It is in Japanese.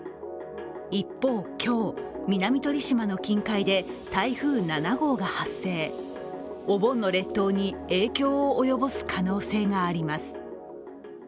一方、今日、南鳥島の近海で台風７号が発生、お盆の列島に影響を及ぼす可能性があります。